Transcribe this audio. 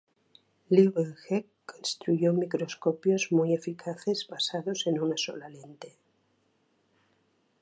Leeuwenhoek construyó microscopios muy eficaces basados en una sola lente.